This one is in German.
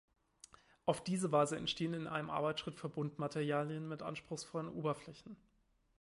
Auf diese Weise entstehen in einem Arbeitsschritt Verbundmaterialien mit anspruchsvollen Oberflächen.